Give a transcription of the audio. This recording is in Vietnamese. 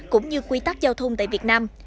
cũng như quy tắc giao thông tại việt nam